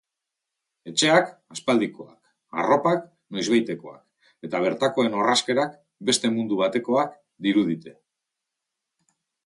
Etxeak aspaldikoak, arropak noizbaitekoak, eta bertakoen orrazkerak beste mundu batekoak dirudite.